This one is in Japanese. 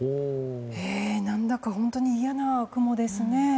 何だか本当に嫌な雲ですね。